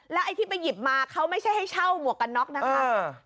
และพี่ไปหยิบมาเขาไม่ใช่ให้เช่ามวกกันน๊อคนะครับ